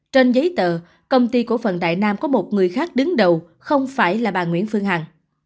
trên giấy tờ công ty cổ phần đại nam có một người khác đứng đầu không phải là bà nguyễn phương hằng